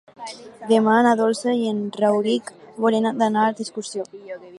Demà na Dolça i en Rauric volen anar d'excursió.